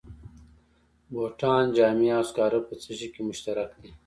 بوټان، جامې او سکاره په څه شي کې مشترک دي